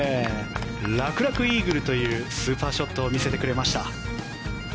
楽々イーグルというスーパーショットを見せてくれました。